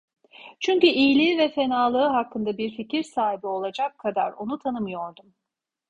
Çünkü iyiliği ve fenalığı hakkında bir fikir sahibi olacak kadar onu tanımıyordum.